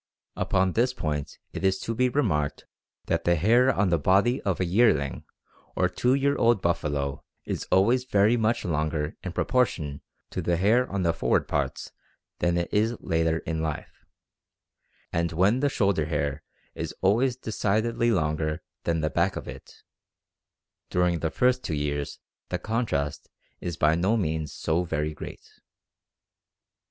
Upon this point it is to be remarked that the hair on the body of a yearling or two year old buffalo is always very much longer in proportion to the hair on the forward parts than it is later in life, and while the shoulder hair is always decidedly longer than that back of it, during the first two years the contrast is by no means so very great.